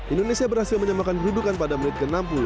indonesia berhasil menyemakan berhudukan pada menit ke enam puluh